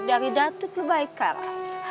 dari datuk kelebai karat